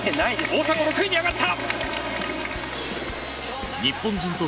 大迫６位に上がった！